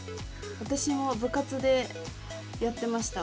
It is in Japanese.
私も部活でやってましたこれ。